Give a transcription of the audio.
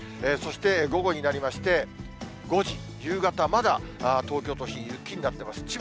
そして午後になりまして、５時、夕方、まだ東京都心、雪になってます。